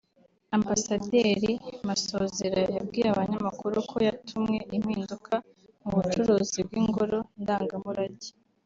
Ambasaderi Masozera yabwiye Abanyamakuru ko yatumwe impinduka mu bucuruzi bw’Ingoro Ndangamurage